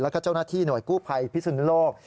และเจ้าหน้าที่หน่วยกู้ภัยภิกษุนโลก